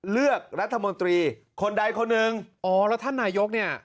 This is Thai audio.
เลือกรัฐมนตรีคนใดคนหนึ่งอ๋อแล้วท่านนายกเนี่ย